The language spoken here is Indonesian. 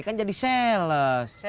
kan jadi sales